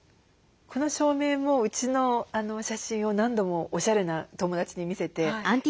この照明もうちの写真を何度もおしゃれな友達に見せて。